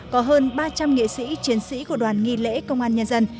có hơn ba trăm linh nghệ sĩ chiến sĩ của đoàn nghi lễ công an nhân dân